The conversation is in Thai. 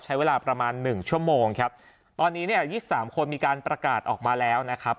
ใช้เวลาประมาณหนึ่งชั่วโมงครับตอนนี้เนี่ยยี่สิบสามคนมีการประกาศออกมาแล้วนะครับ